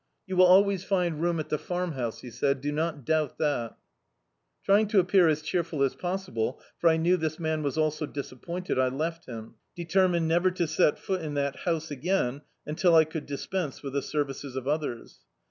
"You will always find room at the Farmhouse," he said; *'do not doubt that." Trying to appear as cheerful as possible, for I knew this man was also disappointed, I left him, determined never to set foot in that bouse again imtil I could dispense with the services of others.